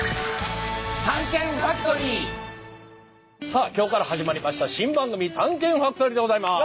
さあ今日から始まりました新番組「探検ファクトリー」でございます！